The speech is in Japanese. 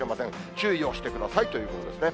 注意をしてくださいということですね。